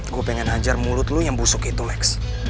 gue pengen hajar mulut lo yang busuk itu lex